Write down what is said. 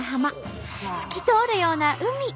透き通るような海。